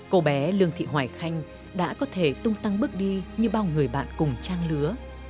cô bé lương thị hoài khanh đã có thể tung tăng bước đi như bao người bạn cùng trang lứa